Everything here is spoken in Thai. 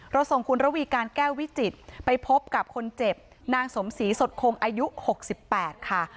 ส่งคุณระวีการแก้ววิจิตรไปพบกับคนเจ็บนางสมศรีสดคงอายุ๖๘ค่ะ